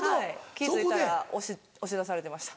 気付いたら押し出されてました。